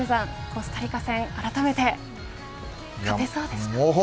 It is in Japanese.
コスタリカ戦あらためて勝てそうですか。